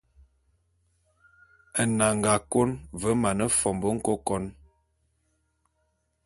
Nnanga kôn ve mane fombô nkôkon.